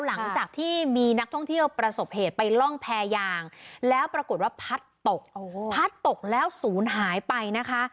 หลังจากที่มีนักท่องเที่ยวประสบเหตุไปล่องแพรยางแล้วปรากฏว่าพัดตกพัดตกแล้วศูนย์หายไปนะคะ